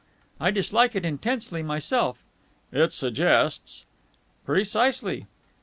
"I dislike it intensely myself." "It suggests...." "Precisely."